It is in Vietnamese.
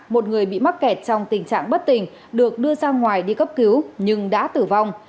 một người bị mắc kẹt trong tình trạng bất tình được đưa ra ngoài đi cấp cứu nhưng đã tử vong